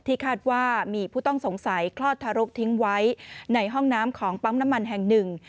คาดว่ามีผู้ต้องสงสัยคลอดทารกทิ้งไว้ในห้องน้ำของปั๊มน้ำมันแห่งหนึ่ง